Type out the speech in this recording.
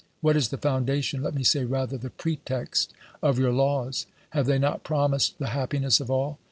What is the foundation, let me say rather, the pretext of your laws? Have they not promised the happiness of all